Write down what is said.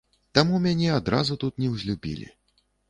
Таму мяне адразу тут неўзлюбілі.